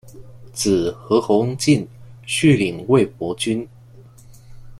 子何弘敬续领魏博军。